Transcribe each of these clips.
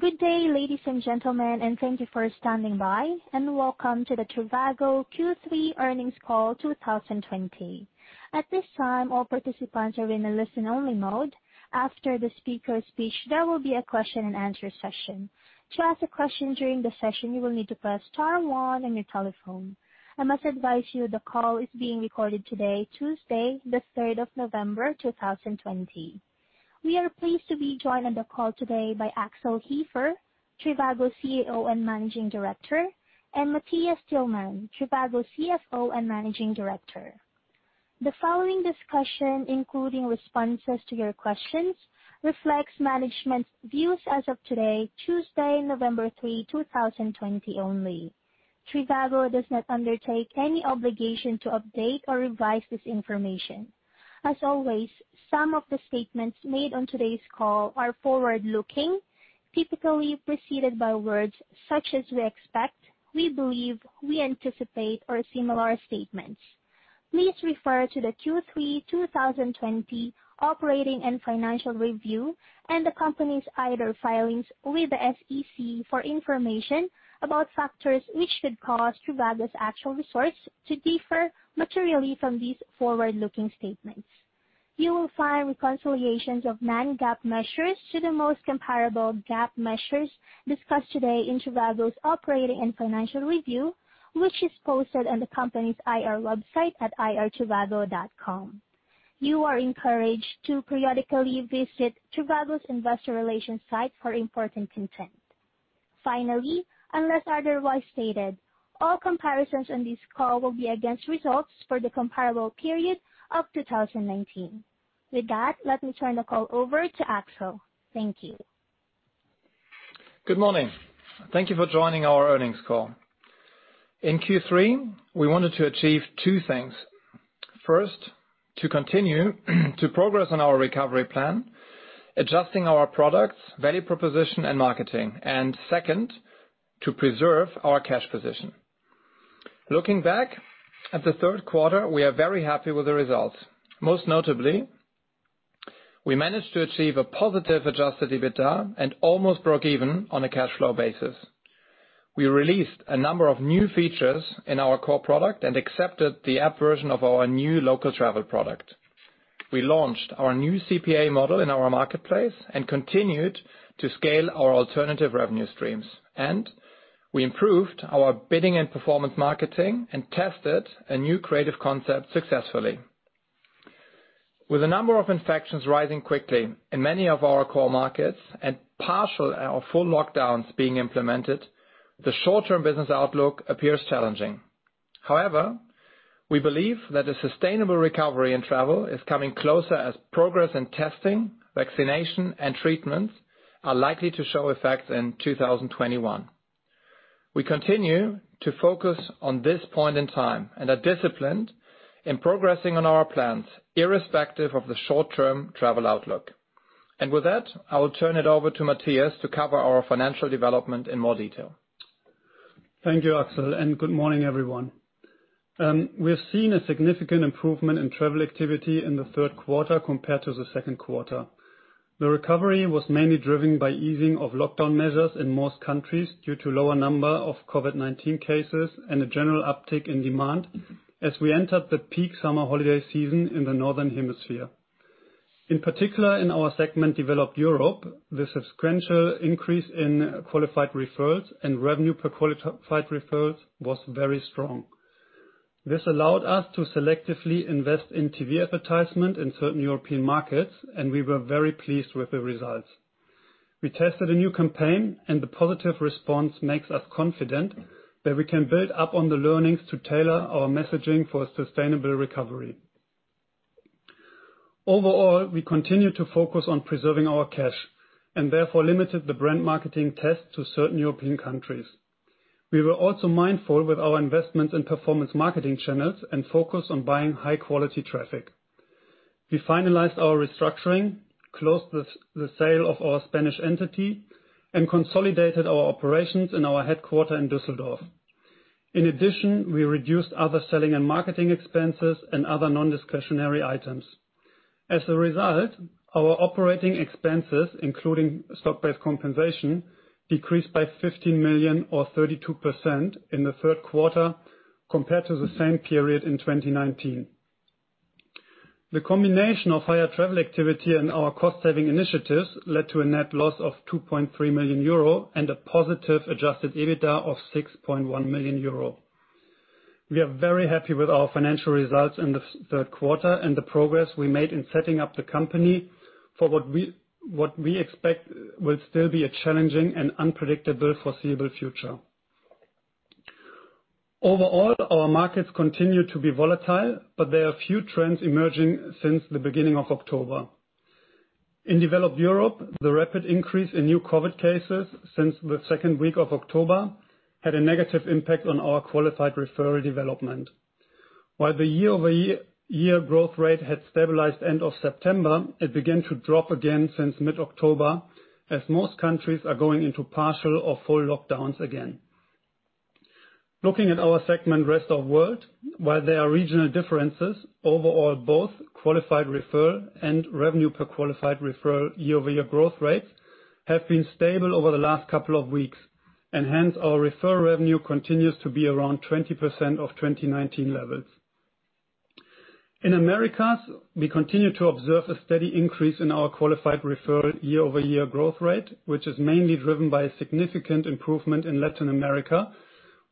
Good day, ladies and gentlemen, and thank you for standing by, and welcome to the trivago Q3 Earnings Call 2020. At this time, all participants are in a listen-only mode. After the speaker speech, there will be a question-and-answer session. To ask a question during the session, you will need to press star one on your telephone. I must advise you the call is being recorded today, Tuesday, the 3rd of November, 2020. We are pleased to be joined on the call today by Axel Hefer, trivago CEO and Managing Director, and Matthias Tillmann, trivago CFO and Managing Director. The following discussion, including responses to your questions, reflects management's views as of today, Tuesday, November 3, 2020 only. trivago does not undertake any obligation to update or revise this information. As always, some of the statements made on today's call are forward-looking, typically preceded by words such as "we expect," "we believe," "we anticipate," or similar statements. Please refer to the Q3 2020 operating and financial review and the company's EDGAR filings with the SEC for information about factors which could cause trivago's actual results to differ materially from these forward-looking statements. You will find reconciliations of non-GAAP measures to the most comparable GAAP measures discussed today in trivago's operating and financial review, which is posted on the company's IR website at irtrivago.com. You are encouraged to periodically visit trivago's investor relations site for important content. Finally, unless otherwise stated, all comparisons on this call will be against results for the comparable period of 2019. With that, let me turn the call over to Axel. Thank you. Good morning. Thank you for joining our Earnings Call. In Q3, we wanted to achieve two things. First, to continue to progress on our recovery plan, adjusting our products, value proposition, and marketing. Second, to preserve our cash position. Looking back at the third quarter, we are very happy with the results. Most notably, we managed to achieve a positive adjusted EBITDA and almost broke even on a cash flow basis. We released a number of new features in our core product and accepted the app version of our new local travel product. We launched our new CPA model in our marketplace and continued to scale our alternative revenue streams, and we improved our bidding and performance marketing and tested a new creative concept successfully. With the number of infections rising quickly in many of our core markets and partial or full lockdowns being implemented, the short-term business outlook appears challenging. However, we believe that a sustainable recovery in travel is coming closer as progress in testing, vaccination, and treatments are likely to show effects in 2021. We continue to focus on this point in time and are disciplined in progressing on our plans irrespective of the short-term travel outlook. With that, I will turn it over to Matthias to cover our financial development in more detail. Thank you, Axel, and good morning, everyone. We have seen a significant improvement in travel activity in the third quarter compared to the second quarter. The recovery was mainly driven by easing of lockdown measures in most countries due to lower number of COVID-19 cases and a general uptick in demand as we entered the peak summer holiday season in the Northern Hemisphere. In particular, in our segment developed Europe, the sequential increase in qualified referrals and revenue per qualified referrals was very strong. This allowed us to selectively invest in TV advertisement in certain European markets, and we were very pleased with the results. We tested a new campaign, and the positive response makes us confident that we can build up on the learnings to tailor our messaging for a sustainable recovery. Overall, we continue to focus on preserving our cash and therefore limited the brand marketing test to certain European countries. We were also mindful with our investments in performance marketing channels and focused on buying high-quality traffic. We finalized our restructuring, closed the sale of our Spanish entity, and consolidated our operations in our headquarters in Düsseldorf. In addition, we reduced other selling and marketing expenses and other non-discretionary items. As a result, our operating expenses, including stock-based compensation, decreased by 15 million or 32% in the third quarter compared to the same period in 2019. The combination of higher travel activity and our cost-saving initiatives led to a net loss of 2.3 million euro and a positive adjusted EBITDA of 6.1 million euro. We are very happy with our financial results in the third quarter and the progress we made in setting up the company for what we expect will still be a challenging and unpredictable foreseeable future. Overall, our markets continue to be volatile. There are a few trends emerging since the beginning of October. In developed Europe, the rapid increase in new COVID-19 cases since the second week of October had a negative impact on our qualified referral development. While the year-over-year growth rate had stabilized end of September, it began to drop again since mid-October as most countries are going into partial or full lockdowns again. Looking at our segment, rest of world, while there are regional differences, overall, both qualified referral and revenue per qualified referral year-over-year growth rates have been stable over the last couple of weeks. Hence our referral revenue continues to be around 20% of 2019 levels. In Americas, we continue to observe a steady increase in our qualified referral year-over-year growth rate, which is mainly driven by a significant improvement in Latin America,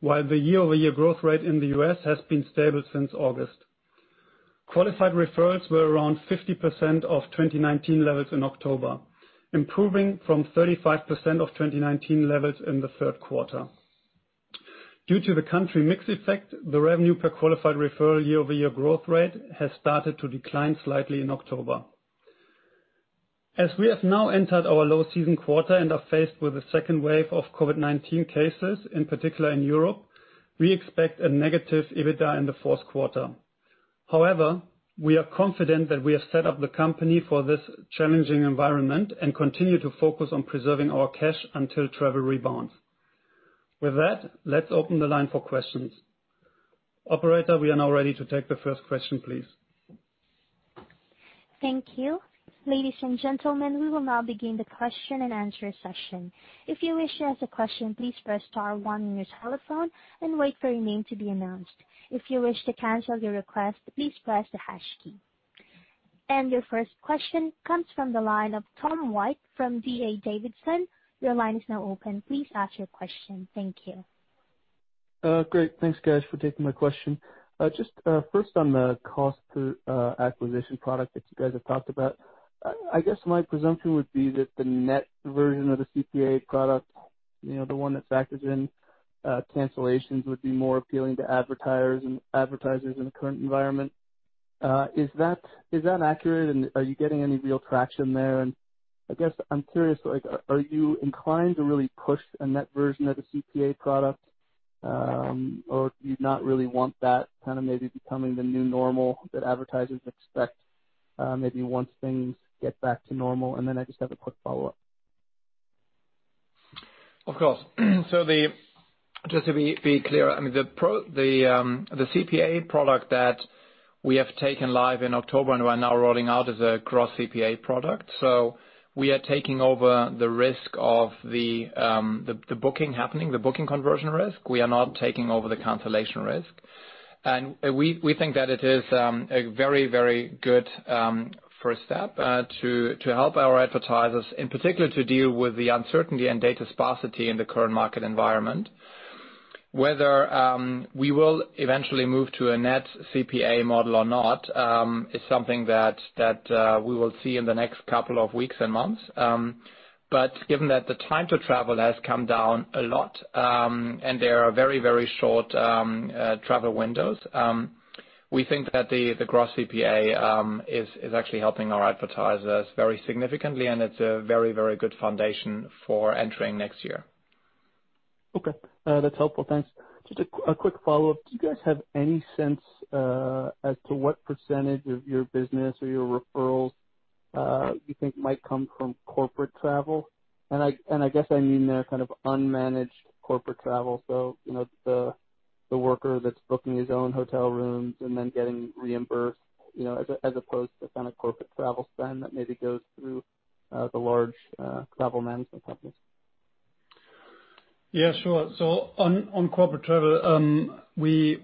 while the year-over-year growth rate in the U.S. has been stable since August. Qualified referrals were around 50% of 2019 levels in October, improving from 35% of 2019 levels in the third quarter. Due to the country mix effect, the revenue per qualified referral year-over-year growth rate has started to decline slightly in October. As we have now entered our low season quarter and are faced with a second wave of COVID-19 cases, in particular in Europe, we expect a negative EBITDA in the fourth quarter. However, we are confident that we have set up the company for this challenging environment and continue to focus on preserving our cash until travel rebounds. With that, let's open the line for questions. Operator, we are now ready to take the first question, please. Thank you. Ladies and gentlemen, we will now begin the question and answer session. Your first question comes from the line of Tom White from D.A. Davidson. Your line is now open. Please ask your question. Thank you. Great. Thanks guys for taking my question. First on the cost per acquisition product that you guys have talked about. I guess my presumption would be that the net version of the CPA product, the one that factors in cancellations, would be more appealing to advertisers in the current environment. Is that accurate? Are you getting any real traction there? I guess I'm curious, are you inclined to really push a net version of the CPA product? Do you not really want that maybe becoming the new normal that advertisers expect, maybe once things get back to normal? I just have a quick follow-up. Of course. Just to be clear, the CPA product that we have taken live in October and we're now rolling out as a gross CPA product. We are taking over the risk of the booking happening, the booking conversion risk. We are not taking over the cancellation risk. We think that it is a very good first step to help our advertisers, in particular to deal with the uncertainty and data sparsity in the current market environment. Whether we will eventually move to a net CPA model or not, is something that we will see in the next couple of weeks and months. Given that the time to travel has come down a lot, and there are very short travel windows, we think that the gross CPA is actually helping our advertisers very significantly, and it's a very good foundation for entering next year. Okay. That's helpful. Thanks. Just a quick follow-up. Do you guys have any sense as to what % of your business or your referrals you think might come from corporate travel? I guess I mean their unmanaged corporate travel. The worker that's booking his own hotel rooms and then getting reimbursed as opposed to corporate travel spend that maybe goes through the large travel management companies. Yeah, sure. On corporate travel, we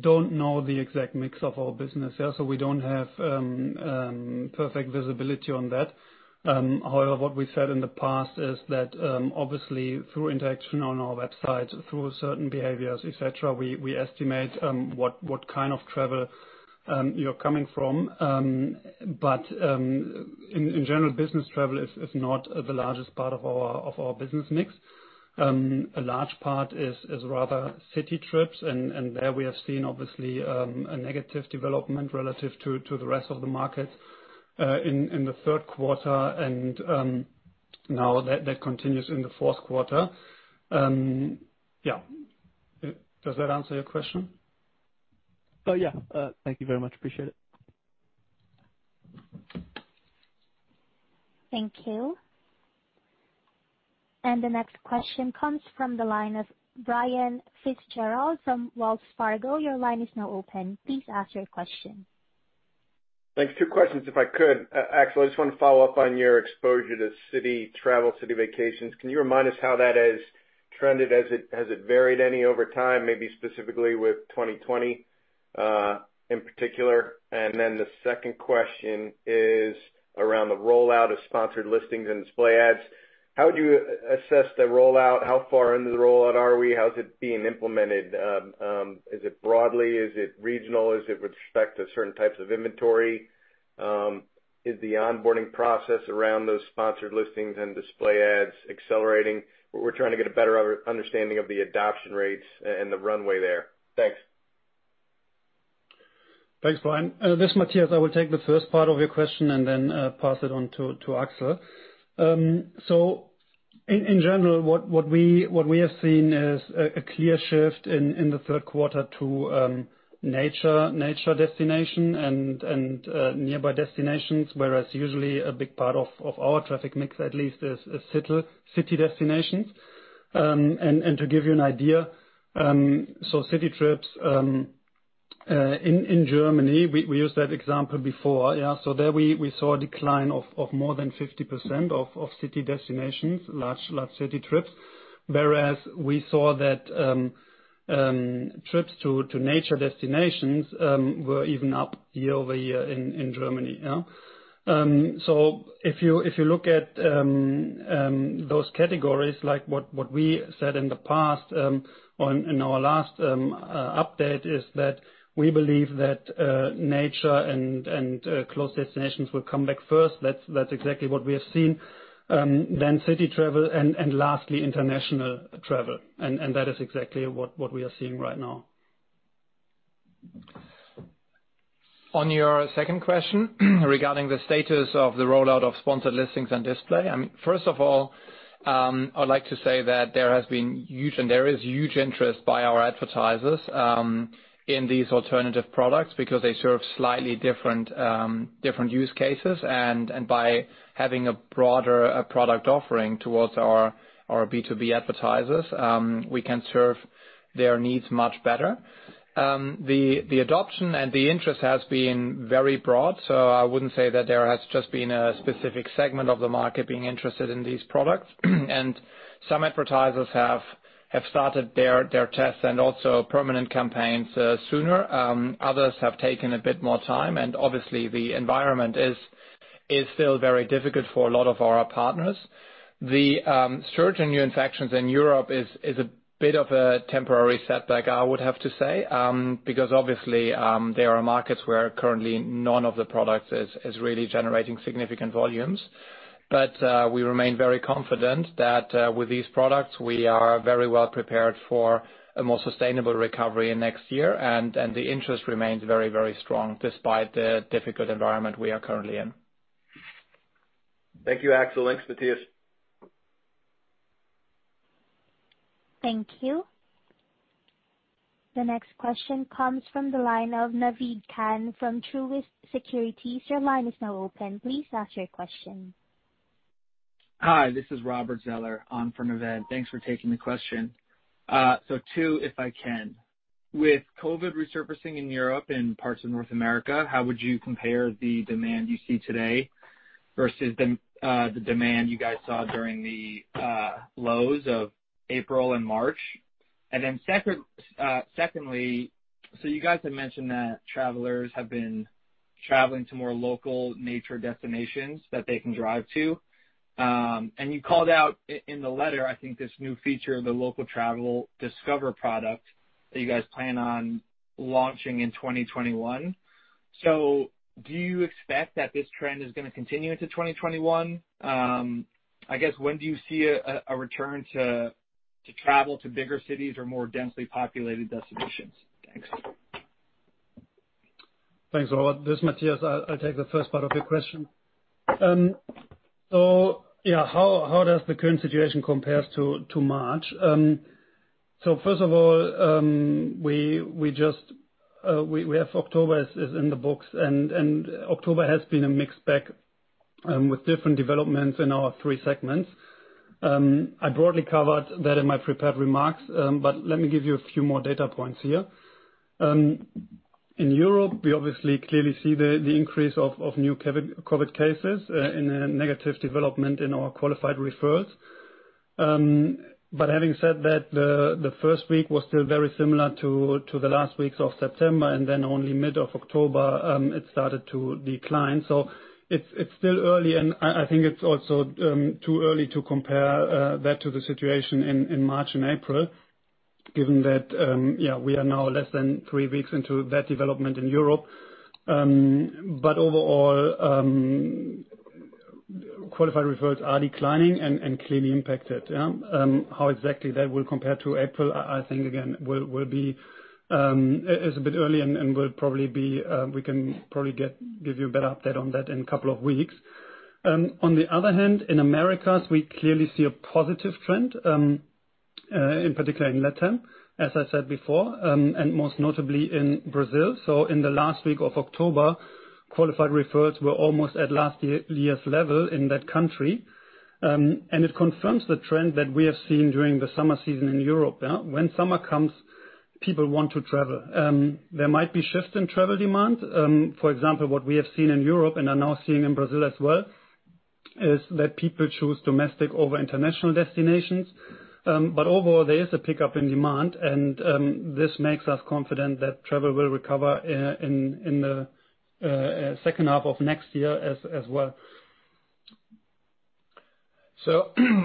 don't know the exact mix of our business there, so we don't have perfect visibility on that. However, what we've said in the past is that, obviously, through interaction on our website, through certain behaviors, et cetera, we estimate what kind of travel you're coming from. In general, business travel is not the largest part of our business mix. A large part is rather city trips, and there we have seen obviously, a negative development relative to the rest of the market, in the third quarter and now that continues in the fourth quarter. Yeah. Does that answer your question? Yeah. Thank you very much. Appreciate it. Thank you. The next question comes from the line of Brian Fitzgerald from Wells Fargo. Thanks. Two questions, if I could. Axel, I just want to follow up on your exposure to city travel, city vacations. Can you remind us how that has trended? Has it varied any over time, maybe specifically with 2020 in particular? The second question is around the rollout of sponsored listings and display ads. How would you assess the rollout? How far into the rollout are we? How's it being implemented? Is it broadly, is it regional? Is it with respect to certain types of inventory? Is the onboarding process around those sponsored listings and display ads accelerating? We're trying to get a better understanding of the adoption rates and the runway there. Thanks. Thanks, Brian. This is Matthias. I will take the first part of your question and then pass it on to Axel. In general, what we have seen is a clear shift in the third quarter to nature destination and nearby destinations, whereas usually a big part of our traffic mix at least is city destinations. To give you an idea, city trips in Germany, we used that example before, yeah? There we saw a decline of more than 50% of city destinations, large city trips. Whereas we saw that trips to nature destinations were even up year-over-year in Germany. If you look at those categories, like what we said in the past, in our last update, is that we believe that nature and close destinations will come back first. That's exactly what we have seen. City travel, and lastly, international travel. That is exactly what we are seeing right now. On your second question regarding the status of the rollout of sponsored listings and display. First of all, I'd like to say that there has been huge, and there is huge interest by our advertisers in these alternative products because they serve slightly different use cases. By having a broader product offering towards our B2B advertisers, we can serve their needs much better. The adoption and the interest has been very broad. I wouldn't say that there has just been a specific segment of the market being interested in these products. Some advertisers have started their tests and also permanent campaigns sooner. Others have taken a bit more time, and obviously the environment is still very difficult for a lot of our partners. The surge in new infections in Europe is a bit of a temporary setback, I would have to say, because obviously, there are markets where currently none of the products is really generating significant volumes. We remain very confident that with these products, we are very well prepared for a more sustainable recovery in next year. The interest remains very, very strong despite the difficult environment we are currently in. Thank you, Axel. Thanks, Matthias. Thank you. The next question comes from the line of Naved Khan from Truist Securities. Your line is now open. Please ask your question. Hi, this is Robert Zeller on for Naved. Thanks for taking the question. Two, if I can. With COVID resurfacing in Europe and parts of North America, how would you compare the demand you see today versus the demand you guys saw during the lows of April and March? Secondly, you guys had mentioned that travelers have been traveling to more local nature destinations that they can drive to. You called out in the letter, I think, this new feature of the local travel Discover product that you guys plan on launching in 2021. Do you expect that this trend is gonna continue into 2021? I guess, when do you see a return to travel to bigger cities or more densely populated destinations? Thanks. Thanks a lot. This is Matthias. I'll take the first part of your question. Yeah, how does the current situation compares to March? First of all, we have October as in the books, and October has been a mixed bag with different developments in our three segments. I broadly covered that in my prepared remarks, let me give you a few more data points here. In Europe, we obviously clearly see the increase of new COVID-19 cases and a negative development in our qualified referrals. Having said that, the first week was still very similar to the last weeks of September, and then only mid of October, it started to decline. It's still early, and I think it's also too early to compare that to the situation in March and April, given that we are now less than three weeks into that development in Europe. Overall, qualified referrals are declining and clearly impacted. How exactly that will compare to April, I think, again, it's a bit early, and we can probably give you a better update on that in a couple of weeks. On the other hand, in Americas, we clearly see a positive trend, in particular in LATAM, as I said before, and most notably in Brazil. In the last week of October, qualified referrals were almost at last year's level in that country. It confirms the trend that we have seen during the summer season in Europe. When summer comes, people want to travel. There might be shifts in travel demand. For example, what we have seen in Europe and are now seeing in Brazil as well, is that people choose domestic over international destinations. Overall, there is a pickup in demand, and this makes us confident that travel will recover in the second half of next year as well.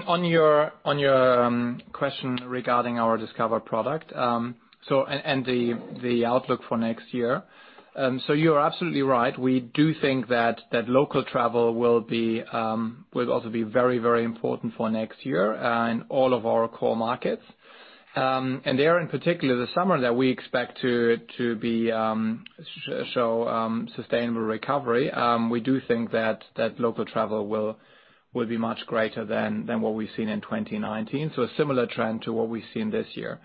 On your question regarding our Discover product, and the outlook for next year. You are absolutely right. We do think that local travel will also be very important for next year in all of our core markets. There in particular, the summer that we expect to show sustainable recovery, we do think that local travel will be much greater than what we've seen in 2019. A similar trend to what we've seen this year.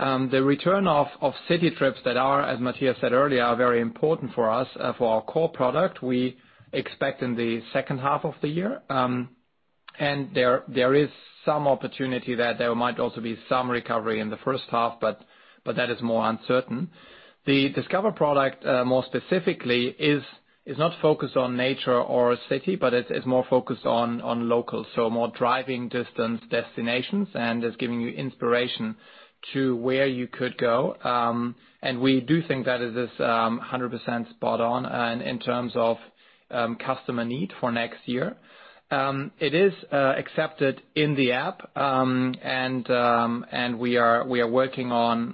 The return of city trips that, as Matthias said earlier, are very important for us, for our core product. We expect in the second half of the year. There is some opportunity that there might also be some recovery in the first half, but that is more uncertain. The Discover product, more specifically, is not focused on nature or city, but it's more focused on local, so more driving distance destinations, and it's giving you inspiration to where you could go. We do think that it is 100% spot on in terms of customer need for next year. It is accepted in the app, and we are working on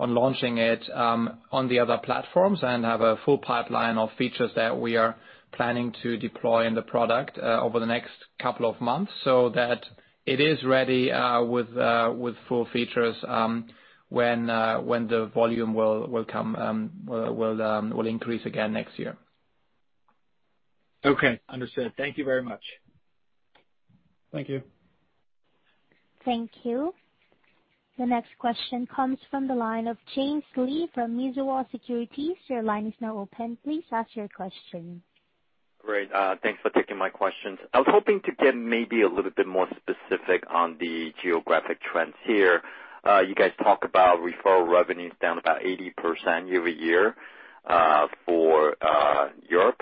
launching it on the other platforms and have a full pipeline of features that we are planning to deploy in the product over the next couple of months, so that it is ready with full features when the volume will increase again next year. Okay. Understood. Thank you very much. Thank you. Thank you. The next question comes from the line of James Lee from Mizuho Securities. Your line is now open. Please ask your question. Great. Thanks for taking my questions. I was hoping to get maybe a little bit more specific on the geographic trends here. You guys talk about referral revenues down about 80% year-over-year for Europe.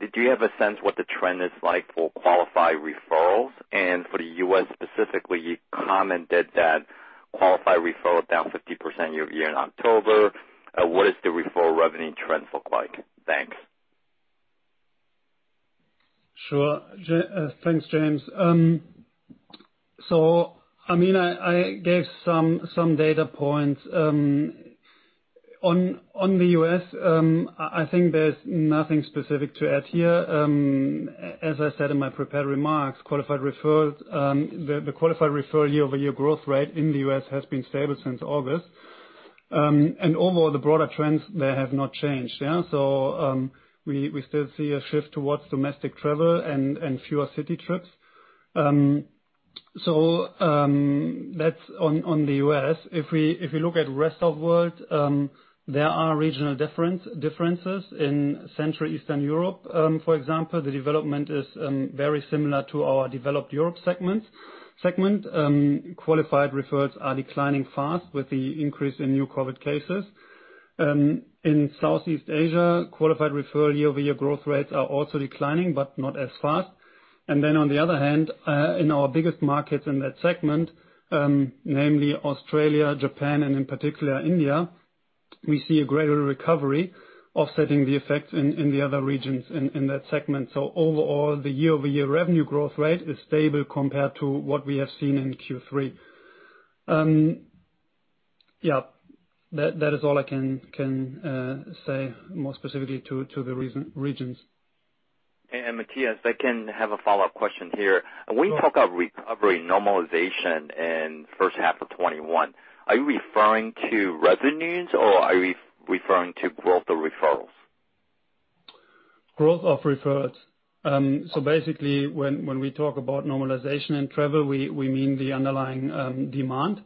Did you have a sense what the trend is like for qualified referrals? For the U.S. specifically, you commented that qualified referral down 50% year-over-year in October. What does the referral revenue trend look like? Thanks. Sure. Thanks, James. I gave some data points. On the U.S., I think there's nothing specific to add here. As I said in my prepared remarks, the qualified referral year-over-year growth rate in the U.S. has been stable since August. Overall, the broader trends there have not changed. Yeah? We still see a shift towards domestic travel and fewer city trips. That's on the U.S. If we look at rest of world, there are regional differences. In Central Eastern Europe, for example, the development is very similar to our developed Europe segment. Qualified referrals are declining fast with the increase in new COVID cases. In Southeast Asia, qualified referral year-over-year growth rates are also declining, but not as fast. On the other hand, in our biggest markets in that segment, namely Australia, Japan, and in particular India, we see a greater recovery offsetting the effect in the other regions in that segment. Overall, the year-over-year revenue growth rate is stable compared to what we have seen in Q3. That is all I can say more specifically to the regions. Matthias, if I can have a follow-up question here. Sure. When you talk of recovery normalization in first half of 2021, are you referring to revenues, or are you referring to growth of referrals? Growth of referrals. Basically, when we talk about normalization in travel, we mean the underlying demand.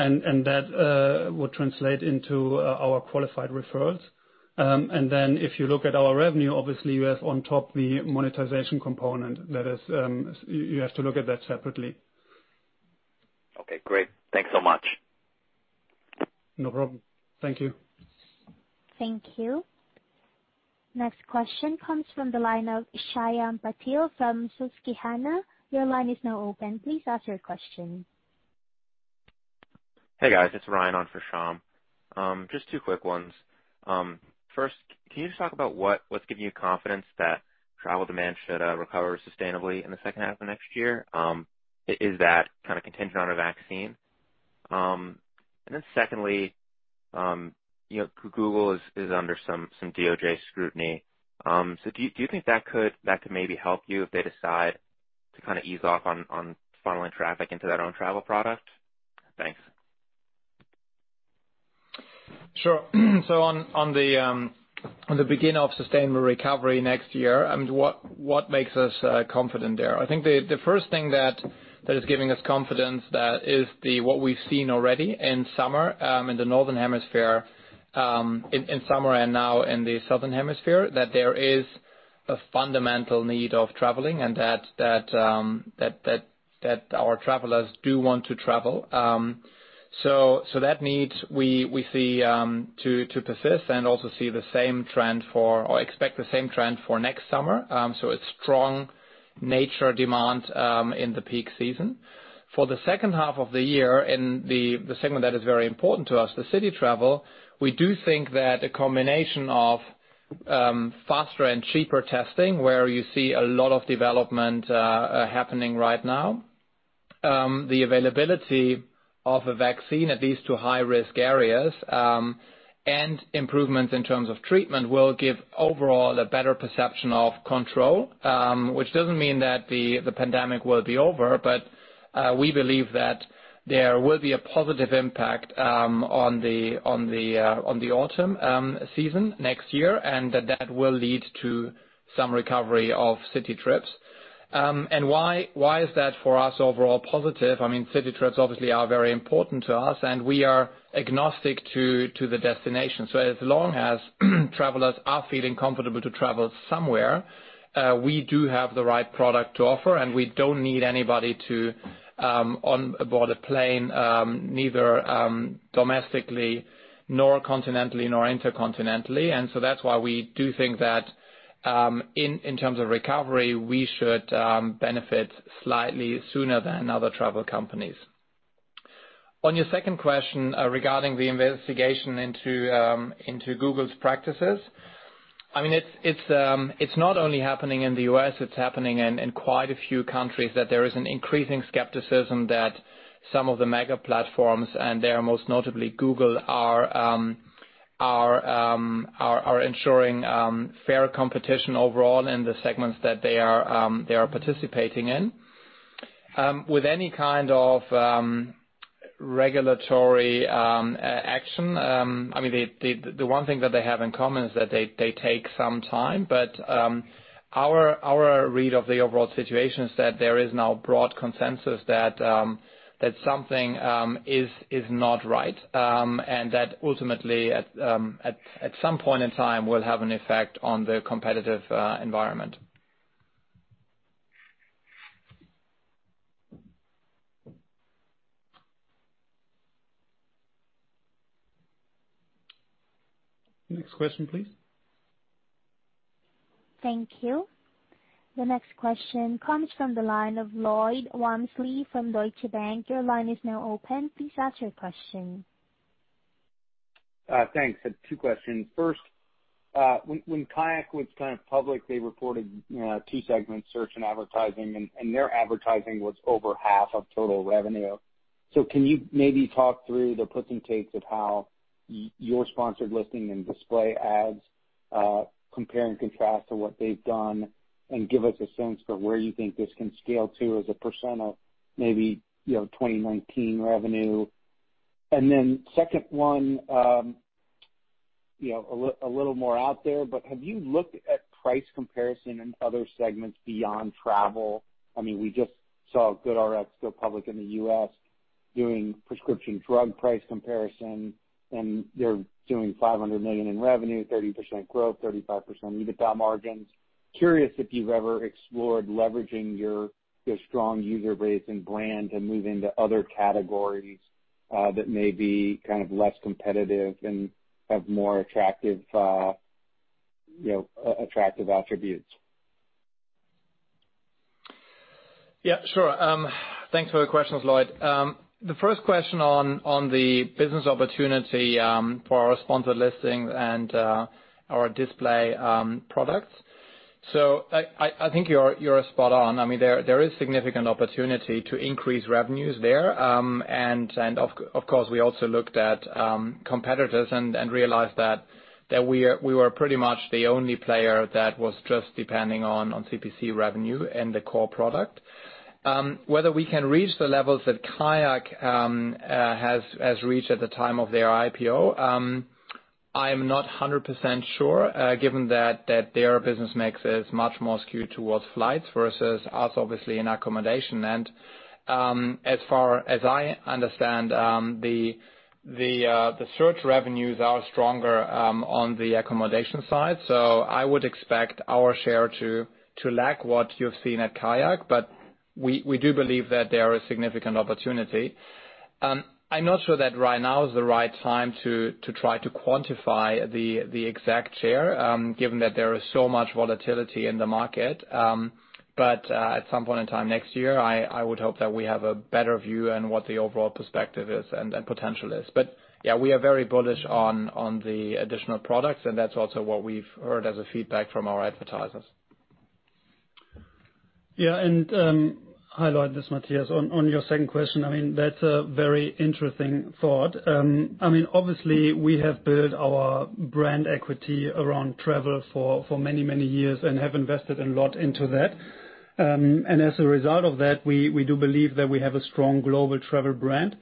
That will translate into our qualified referrals. If you look at our revenue, obviously you have on top the monetization component. You have to look at that separately. Okay, great. Thanks so much. No problem. Thank you. Thank you. Next question comes from the line of Shyam Patil from Susquehanna. Your line is now open. Please ask your question. Hey, guys. It's Ryan on for Shyam. Just two quick ones. First, can you just talk about what's giving you confidence that travel demand should recover sustainably in the second half of next year? Is that contingent on a vaccine? Secondly, Google is under some DOJ scrutiny. Do you think that could maybe help you if they decide to ease off on funneling traffic into their own travel product? Thanks. Sure. On the beginning of sustainable recovery next year, what makes us confident there? I think the first thing that is giving us confidence, that is what we've seen already in summer, in the Northern Hemisphere, in summer and now in the Southern Hemisphere, that there is a fundamental need of traveling, and that our travelers do want to travel. That need, we see to persist and also see the same trend for, or expect the same trend for next summer. It's strong nature demand in the peak season. For the second half of the year, in the segment that is very important to us, the city travel, we do think that a combination of faster and cheaper testing, where you see a lot of development happening right now. The availability of a vaccine, at least to high-risk areas, and improvements in terms of treatment will give overall a better perception of control, which doesn't mean that the pandemic will be over, but we believe that there will be a positive impact on the autumn season next year, and that that will lead to some recovery of city trips. Why is that for us overall positive? City trips obviously are very important to us, and we are agnostic to the destination. As long as travelers are feeling comfortable to travel somewhere, we do have the right product to offer, and we don't need anybody to board a plane, neither domestically nor continentally, nor intercontinentally. That's why we do think that, in terms of recovery, we should benefit slightly sooner than other travel companies. On your second question regarding the investigation into Google's practices. It's not only happening in the U.S., it's happening in quite a few countries, that there is an increasing skepticism that some of the mega platforms, and there most notably Google, are ensuring fair competition overall in the segments that they are participating in. With any kind of regulatory action, the one thing that they have in common is that they take some time. Our read of the overall situation is that there is now broad consensus that something is not right, and that ultimately at some point in time, will have an effect on the competitive environment. Next question, please. Thank you. The next question comes from the line of Lloyd Walmsley from Deutsche Bank. Thanks. Two questions. First, when Kayak went public, they reported two segments, search and advertising, and their advertising was over half of total revenue. Can you maybe talk through the puts and takes of how your sponsored listing and display ads compare and contrast to what they've done, and give us a sense for where you think this can scale to as a % of maybe 2019 revenue? Second one, a little more out there, but have you looked at price comparison in other segments beyond travel? We just saw GoodRx go public in the U.S. doing prescription drug price comparison, and they're doing 500 million in revenue, 30% growth, 35% EBITDA margins. Curious if you've ever explored leveraging your strong user base and brand to move into other categories that may be less competitive and have more attractive attributes. Yeah, sure. Thanks for the questions, Lloyd. The first question on the business opportunity for our sponsored listings and our display products. I think you're spot on. There is significant opportunity to increase revenues there. Of course, we also looked at competitors and realized that we were pretty much the only player that was just depending on CPC revenue and the core product. Whether we can reach the levels that Kayak has reached at the time of their IPO, I am not 100% sure, given that their business mix is much more skewed towards flights versus us, obviously, in accommodation. As far as I understand, the search revenues are stronger on the accommodation side. I would expect our share to lack what you've seen at Kayak, but we do believe that there is significant opportunity. I'm not sure that right now is the right time to try to quantify the exact share, given that there is so much volatility in the market. At some point in time next year, I would hope that we have a better view on what the overall perspective is and potential is. Yeah, we are very bullish on the additional products, and that's also what we've heard as a feedback from our advertisers. Yeah. Hi, Lloyd, this is Matthias. On your second question, that's a very interesting thought. Obviously, we have built our brand equity around travel for many, many years and have invested a lot into that. As a result of that, we do believe that we have a strong global travel brand.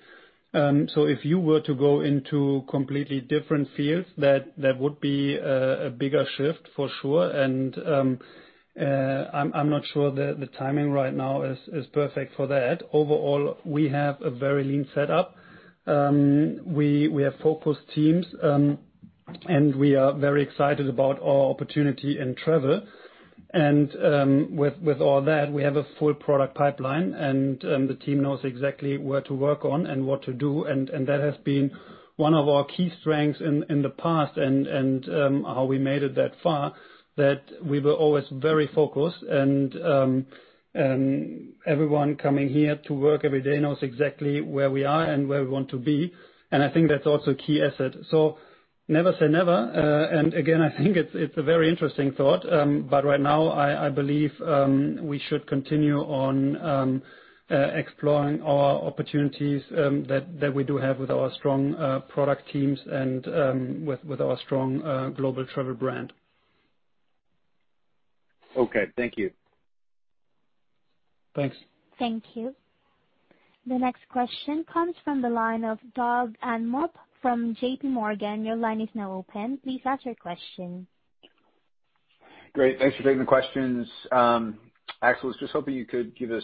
If you were to go into completely different fields, that would be a bigger shift for sure, and I'm not sure that the timing right now is perfect for that. Overall, we have a very lean setup. We have focused teams, and we are very excited about our opportunity in travel. With all that, we have a full product pipeline and the team knows exactly where to work on and what to do, and that has been one of our key strengths in the past and how we made it that far, that we were always very focused and everyone coming here to work every day knows exactly where we are and where we want to be. I think that's also a key asset. Never say never, and again, I think it's a very interesting thought. Right now, I believe we should continue on exploring our opportunities that we do have with our strong product teams and with our strong global travel brand. Okay. Thank you. Thanks. Thank you. The next question comes from the line of Doug Anmuth from JPMorgan. Your line is now open. Please ask your question. Great. Thanks for taking the questions. Axel, I was just hoping you could give us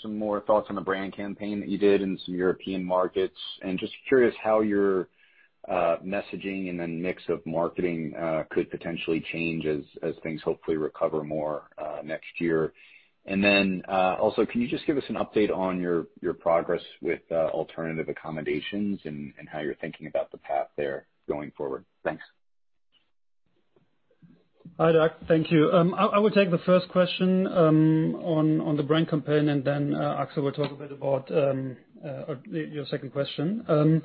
some more thoughts on the brand campaign that you did in some European markets, and just curious how your messaging and then mix of marketing could potentially change as things hopefully recover more next year. Then also, can you just give us an update on your progress with alternative accommodations and how you're thinking about the path there going forward? Thanks. Hi, Doug. Thank you. I will take the first question on the brand campaign, then Axel will talk a bit about your second question.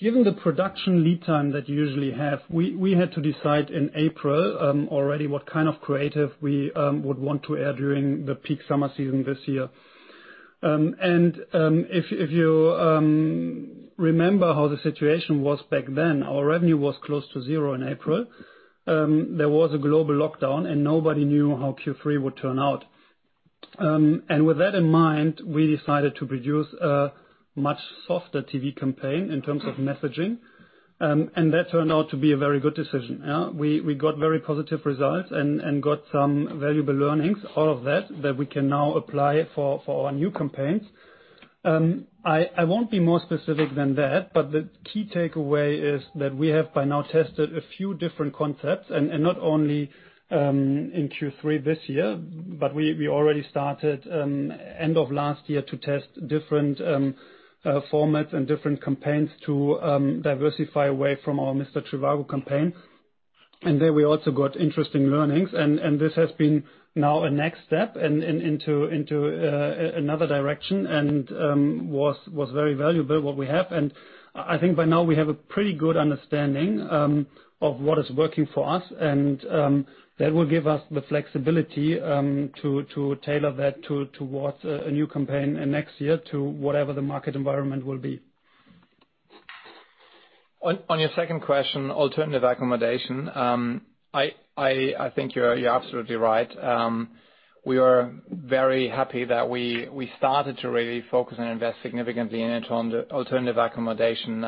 Given the production lead time that you usually have, we had to decide in April already what kind of creative we would want to air during the peak summer season this year. If you remember how the situation was back then, our revenue was close to zero in April. There was a global lockdown, and nobody knew how Q3 would turn out. With that in mind, we decided to produce a much softer TV campaign in terms of messaging. That turned out to be a very good decision. We got very positive results and got some valuable learnings out of that we can now apply for our new campaigns. I won't be more specific than that, but the key takeaway is that we have by now tested a few different concepts, and not only in Q3 this year, but we already started end of last year to test different formats and different campaigns to diversify away from our Mr. trivago campaign. There we also got interesting learnings, and this has been now a next step into another direction and was very valuable what we have. I think by now we have a pretty good understanding of what is working for us, and that will give us the flexibility to tailor that towards a new campaign in next year to whatever the market environment will be. On your second question, alternative accommodation. I think you're absolutely right. We are very happy that we started to really focus and invest significantly into alternative accommodation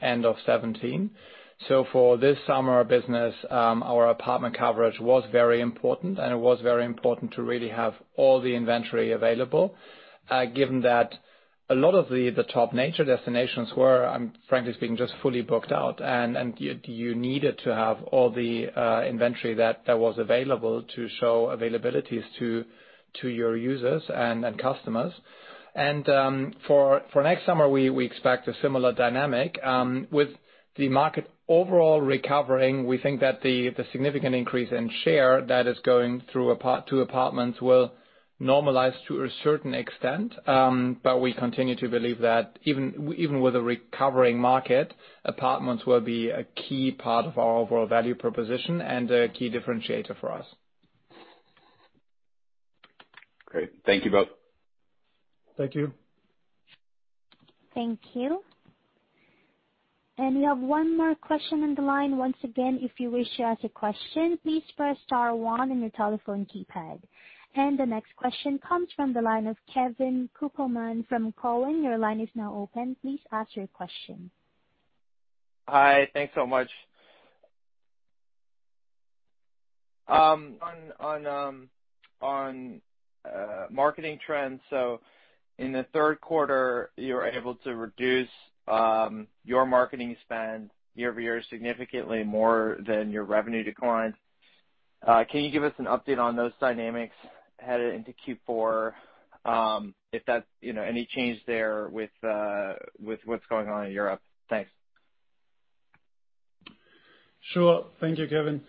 end of 2017. For this summer business, our apartment coverage was very important, and it was very important to really have all the inventory available, given that a lot of the top nature destinations were, frankly speaking, just fully booked out, and you needed to have all the inventory that was available to show availabilities to your users and customers. For next summer, we expect a similar dynamic. With the market overall recovering, we think that the significant increase in share that is going to apartments will normalize to a certain extent. We continue to believe that even with a recovering market, apartments will be a key part of our overall value proposition and a key differentiator for us. Great. Thank you both. Thank you. Thank you. We have one more question on the line. Once again, if you wish to ask a question, please press star one on your telephone keypad. The next question comes from the line of Kevin Kopelman from Cowen. Your line is now open. Please ask your question. Hi. Thanks so much. On marketing trends, in the third quarter, you were able to reduce your marketing spend year-over-year significantly more than your revenue decline. Can you give us an update on those dynamics headed into Q4? Any change there with what's going on in Europe? Thanks. Sure. Thank you, Kevin.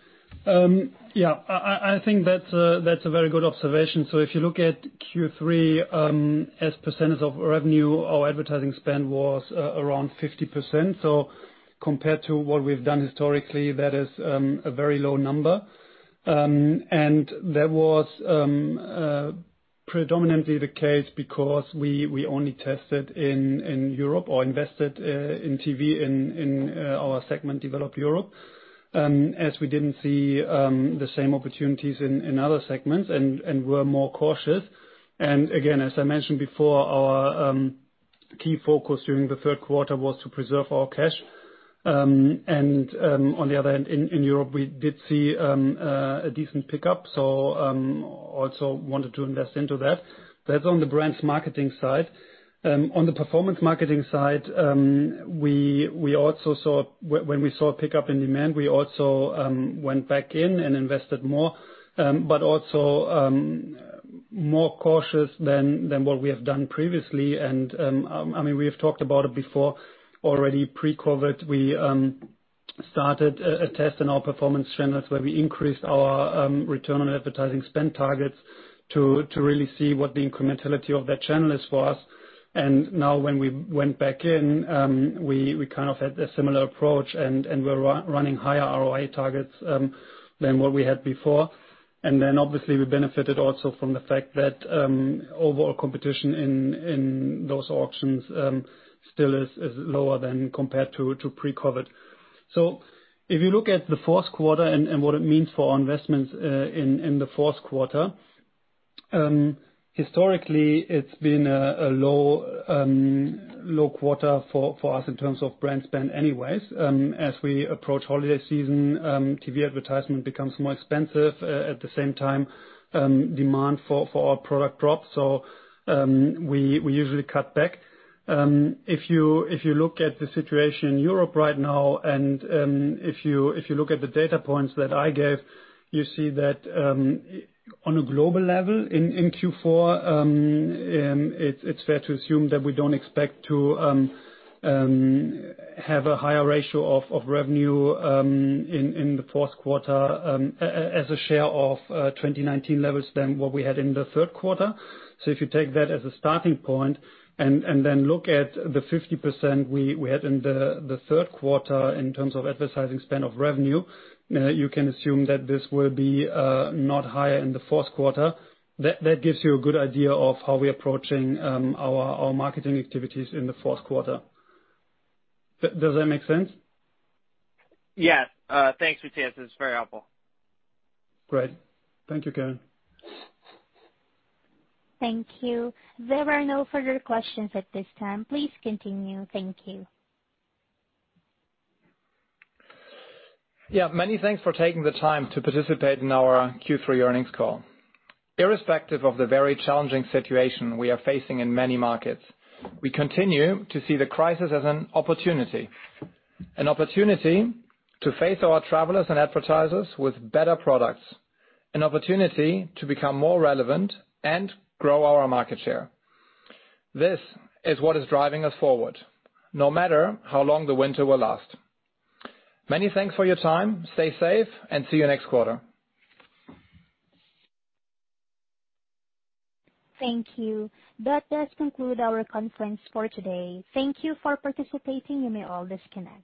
Yeah, I think that's a very good observation. If you look at Q3, as % of revenue, our advertising spend was around 50%. Compared to what we've done historically, that is a very low number. That was predominantly the case because we only tested in Europe or invested in TV in our segment developed Europe, as we didn't see the same opportunities in other segments and were more cautious. Again, as I mentioned before, our key focus during the third quarter was to preserve our cash. On the other end, in Europe, we did see a decent pickup, also wanted to invest into that. That's on the brands marketing side. On the performance marketing side, when we saw a pickup in demand, we also went back in and invested more, but also more cautious than what we have done previously. We have talked about it before already pre-COVID, we started a test in our performance channels where we increased our return on advertising spend targets to really see what the incrementality of that channel is for us. Now when we went back in, we had a similar approach, and we're running higher ROI targets than what we had before. Obviously, we benefited also from the fact that overall competition in those auctions still is lower than compared to pre-COVID. If you look at the fourth quarter and what it means for our investments in the fourth quarter, historically it's been a low quarter for us in terms of brand spend anyways. As we approach holiday season, TV advertisement becomes more expensive. At the same time, demand for our product drops. We usually cut back. If you look at the situation in Europe right now and if you look at the data points that I gave, you see that on a global level in Q4, it's fair to assume that we don't expect to have a higher ratio of revenue in the fourth quarter as a share of 2019 levels than what we had in the third quarter. If you take that as a starting point and then look at the 50% we had in the third quarter in terms of advertising spend of revenue, you can assume that this will be not higher in the fourth quarter. That gives you a good idea of how we're approaching our marketing activities in the fourth quarter. Does that make sense? Yeah. Thanks, Matthias. This is very helpful. Great. Thank you, Kevin. Thank you. There are no further questions at this time. Please continue. Thank you. Yeah. Many thanks for taking the time to participate in our Q3 Earnings Call. Irrespective of the very challenging situation we are facing in many markets, we continue to see the crisis as an opportunity. An opportunity to face our travelers and advertisers with better products, an opportunity to become more relevant and grow our market share. This is what is driving us forward, no matter how long the winter will last. Many thanks for your time. Stay safe and see you next quarter. Thank you. That does conclude our conference for today. Thank you for participating. You may all disconnect.